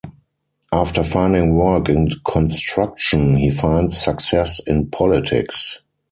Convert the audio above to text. After finding work in construction, he finds success in politics.